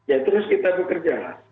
ya terus kita bekerja lah